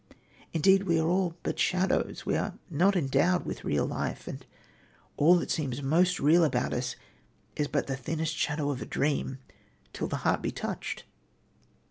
Indeed we are but shadows, we are not endowed with real life, and all that seems most real about us is but the thinnest shadow of a dream till the heart be touched."